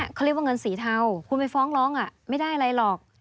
เขาเรียกว่าเงินสีเทาคุณไปฟ้องร้องไม่ได้อะไรหรอก